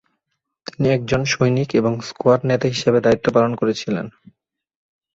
তিনি একজন সৈনিক এবং স্কোয়াড নেতা হিসেবে দায়িত্ব পালন করেছিলেন।